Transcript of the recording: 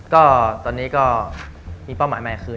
ก็ตอนนี้ก็มีเป้าหมายใหม่คือ